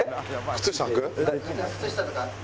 靴下とか。